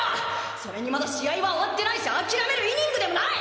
それにまだ試合は終わってないし諦めるイニングでもない！